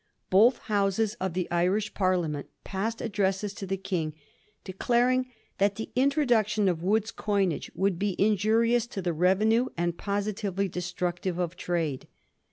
Both Houses of the Irish Parlia ment passed addresses to the King, declaring that the introduction of Wood's coinage would be injurious to the revenue and positively destructive of trade.